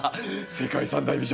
世界三大美女。